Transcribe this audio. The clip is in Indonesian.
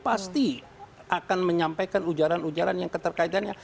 pasti akan menyampaikan ujaran ujaran yang keterkaitannya